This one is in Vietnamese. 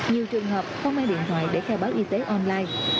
nhiều trường hợp không mang điện thoại để khe báo y tế online